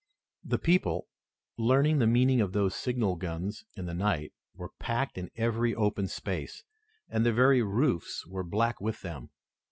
The people, learning the meaning of those signal guns in the night, were packed in every open space, and the very roofs were black with them.